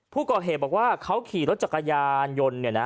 ผู้ก่อเหตุบอกว่าเขาขี่รถจักรยานยนต์เนี่ยนะ